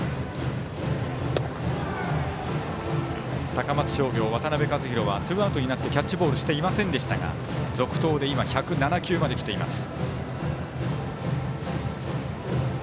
高松商業、渡辺和大はツーアウトになってキャッチボールしていませんでしたが続投で１０７球まできています。